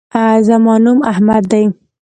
زما نوم احمد دے